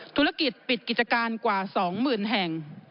ธุรกิจปิดกิจการกว่า๒๐๐๐แห่ง